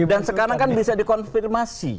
dan sekarang kan bisa dikonfirmasi